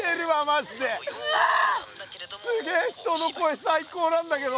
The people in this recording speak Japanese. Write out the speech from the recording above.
すげえ人の声さいこうなんだけど！